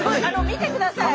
見てください。